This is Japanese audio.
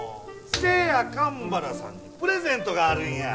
そや神原さんにプレゼントがあるんや。